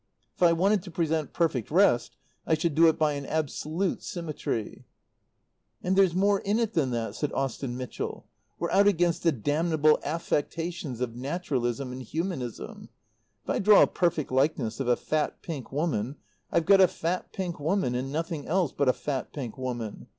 If I wanted to present perfect rest I should do it by an absolute symmetry." "And there's more in it than that," said Austen Mitchell. "We're out against the damnable affectations of naturalism and humanism. If I draw a perfect likeness of a fat, pink woman I've got a fat, pink woman and nothing else but a fat pink woman.